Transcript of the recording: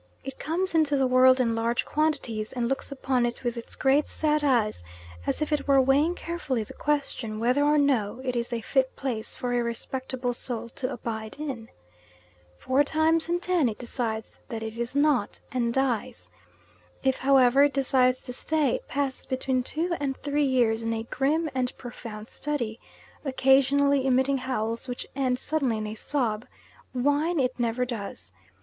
It comes into the world in large quantities and looks upon it with its great sad eyes as if it were weighing carefully the question whether or no it is a fit place for a respectable soul to abide in. Four times in ten it decides that it is not, and dies. If, however, it decides to stay, it passes between two and three years in a grim and profound study occasionally emitting howls which end suddenly in a sob whine it never does.